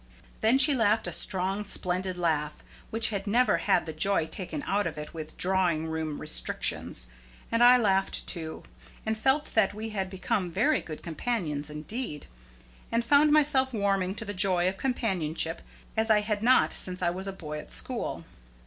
Then she laughed a strong splendid laugh, which had never had the joy taken out of it with drawing room restrictions; and I laughed too, and felt that we had become very good companions indeed, and found myself warming to the joy of companionship as I had not since I was a boy at school.